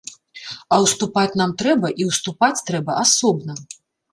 А ўступаць нам трэба, і ўступаць трэба асобна.